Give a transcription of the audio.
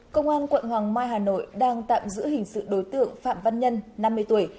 công an quận hoàng mai hà nội đang tạm giữ hình sự đối tượng phạm văn nhân năm mươi tuổi